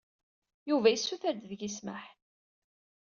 Yuba yessuter-d seg-i ssmaḥ.